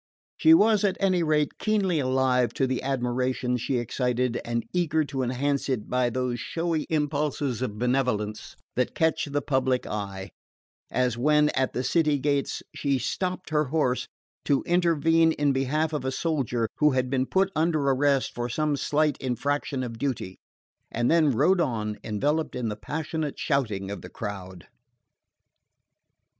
She was at any rate keenly alive to the admiration she excited and eager to enhance it by those showy impulses of benevolence that catch the public eye; as when, at the city gates, she stopped her horse to intervene in behalf of a soldier who had been put under arrest for some slight infraction of duty, and then rode on enveloped in the passionate shouting of the crowd.